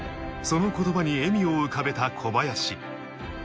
その言葉に笑みを浮かべた小林。